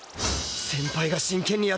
先輩が真剣にやってるんだ。